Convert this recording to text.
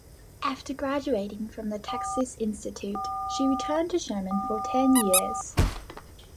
After graduating from the Texas Institute, she returned to Sherman for ten years.